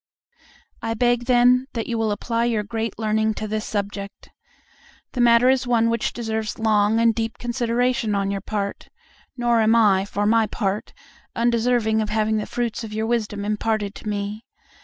I beg, then, that you will apply your great learning to this subject. The matter is one which deserves long and deep consideration on your part; nor am I, for my part, undeserving of having the fruits of your wisdom imparted to me.